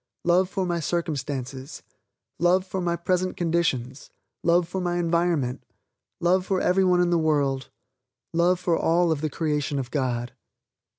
Love for my circumstances, love for my present conditions, love for my environment, love for every one in the world, love for all of the creation of God.